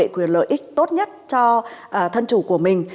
bảo vệ quyền lợi ích tốt nhất cho thân chủ của mình